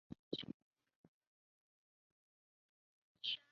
内莱塔尼亚的首都设在维也纳。